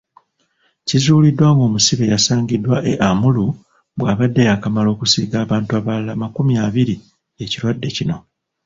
Kizuuliddwa ng'omusibe eyasangiddwa e Amuru bw'abadde yaakamala okusiiga abantu abalala makumi abiri ekirwadde kino.